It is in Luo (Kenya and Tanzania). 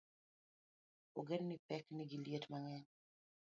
Ongedni pek nigi liet mang'eny